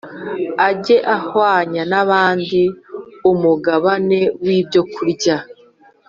Ajye ahwanya n abandi umugabane w ibyokurya